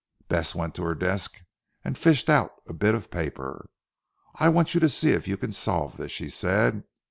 Bess went to her desk and fished out a bit of paper. "I want you to see if you can solve this," she said.